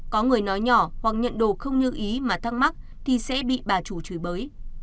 có người nói nhỏ hoặc nhận đồ không như ý mà thắc mắc thì sẽ bị bà chủ chửi bới